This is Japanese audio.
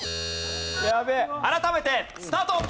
改めてスタート！